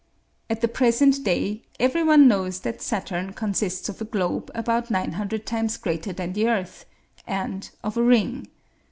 At the present day every one knows that Saturn consists of a globe about nine hundred times greater than the earth, and of a ring.